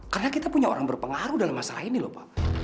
karena kita punya orang berpengaruh dalam masalah ini pak